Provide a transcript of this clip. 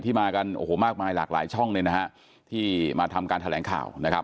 ที่มากมายหลากหลายช่องเลยนะครับที่มาทำการแถลงข่าวนะครับ